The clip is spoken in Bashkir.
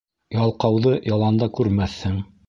Ялҡауҙы яланда күрмәҫһең.